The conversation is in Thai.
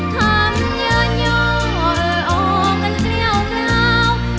คำเงาออกเหลี่ยวเกลา